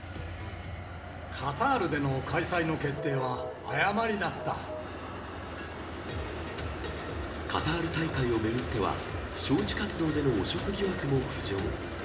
カタールでの開催の決定は誤カタール大会を巡っては、招致活動での汚職疑惑も浮上。